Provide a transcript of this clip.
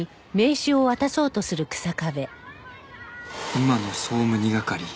今の総務２係